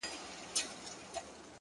زما د ميني ليونيه!! ستا خبر نه راځي!!